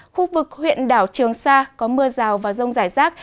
khu vực huyện đảo trường sa có mưa rào và rông rải rác